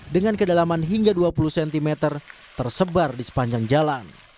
dengan kedalaman hingga dua puluh cm tersebar di sepanjang jalan